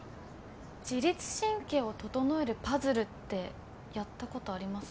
自立神経を整えるパズルってやったことあります？